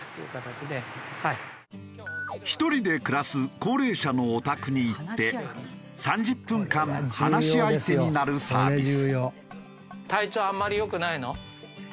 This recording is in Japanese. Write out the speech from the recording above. １人で暮らす高齢者のお宅に行って３０分間話し相手になるサービス。